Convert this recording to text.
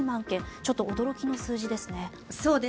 件ちょっと驚きの数字ですね。